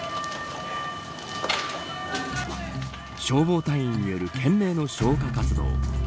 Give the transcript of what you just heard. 消防隊員による懸命の消火活動。